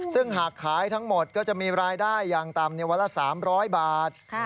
ซึ่งหากขายทั้งหมดก็จะมีรายได้อย่างต่ำวันละ๓๐๐บาท